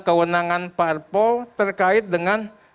kewenangan parpol terkait dengan